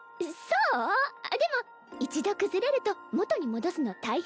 あっでも一度崩れると元に戻すの大変だから。